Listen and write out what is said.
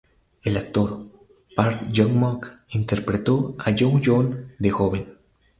El actor Park Joon-mok interpretó a Young-joon de joven.